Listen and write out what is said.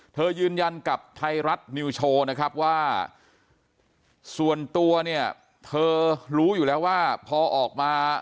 ยืนยันกับไทยรัฐนิวโชว์นะครับว่าส่วนตัวเนี่ยเธอรู้อยู่แล้วว่าพอออกมา